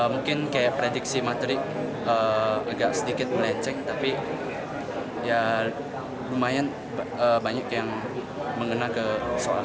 mungkin kayak prediksi materi agak sedikit melecek tapi lumayan banyak yang mengenal ke soal soalnya